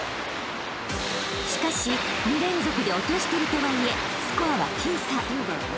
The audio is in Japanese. ［しかし２連続で落としているとはいえスコアは僅差］